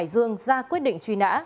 đã ra quyết định trí nã